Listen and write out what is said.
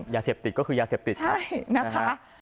ยาเสพติดก็คือยาเสพติดครับนะคะใช่